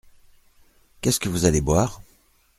Qu’est-ce que vous allez boire ?